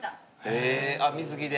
へえあっ水着で？